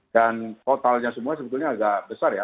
dan totalnya semua sebetulnya agak besar ya